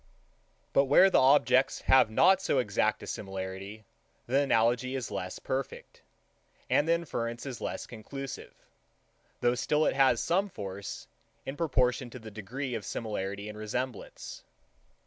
But where the objects have not so exact a similarity, the analogy is less perfect, and the inference is less conclusive; though still it has some force, in proportion to the degree of similarity and resemblance.